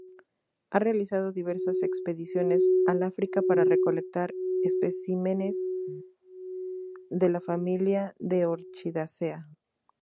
Ha realizado diversas expediciones al África para recolectar especímenes de la familia de Orchidaceae.